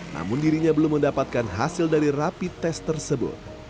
namun dirinya belum mendapatkan hasil dari rapid test tersebut